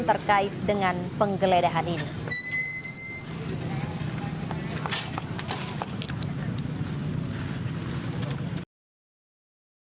terkait dengan penyelidikan yang telah dilakukan